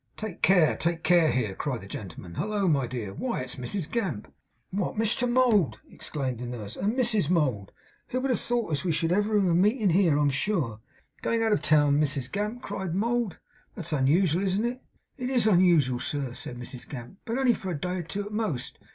'Take care, take care here!' cried the gentleman. 'Halloo! My dear! Why, it's Mrs Gamp!' 'What, Mr Mould!' exclaimed the nurse. 'And Mrs Mould! who would have thought as we should ever have a meetin' here, I'm sure!' 'Going out of town, Mrs Gamp?' cried Mould. 'That's unusual, isn't it?' 'It IS unusual, sir,' said Mrs Gamp. 'But only for a day or two at most.